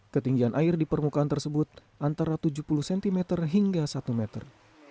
ketinggian air di permukaan tersebut antara tujuh puluh cm hingga satu meter